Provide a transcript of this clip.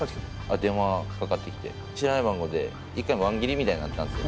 電話かかってきて、知らない番号で、１回ワン切りみたいになったんですよ。